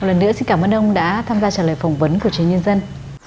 một lần nữa xin cảm ơn ông đã tham gia trả lời phỏng vấn của chính nhân dân